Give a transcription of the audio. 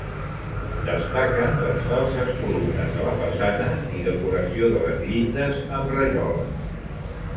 Destaquen les falses columnes a la façana i decoració de les llindes amb rajoles.